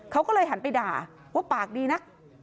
เขาก็เลยหันไปด่าว่าปากดีนัก